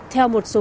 theo một số